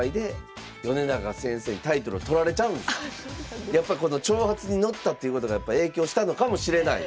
このシリーズやっぱこの挑発に乗ったということが影響したのかもしれない。